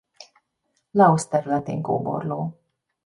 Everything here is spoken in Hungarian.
Laosz területén kóborló.